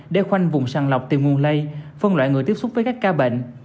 để khoanh vùng sàn lọc từ nguồn lây phân loại người tiếp xúc với các ca bệnh